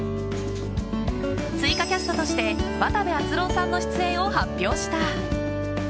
追加キャストとして渡部篤郎さんの出演を発表した。